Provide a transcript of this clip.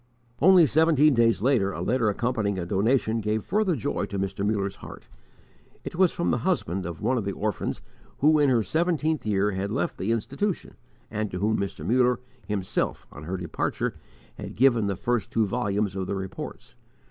Only seventeen days later, a letter accompanying a donation gave further joy to Mr. Muller's heart. It was from the husband of one of the orphans who, in her seventeenth year, had left the institution, and to whom Mr. Muller himself, on her departure, had given the first two volumes of the Reports.